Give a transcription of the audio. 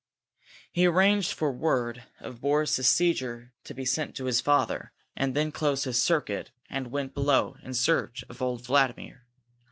He arranged for word of Boris's seizure to be sent to his father, and then closed his circuit and went below, in search of old Vladimir.